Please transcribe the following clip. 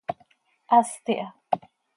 Hast iha.